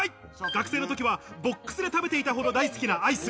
学生の時はボックスで食べていたほど大好きなアイス。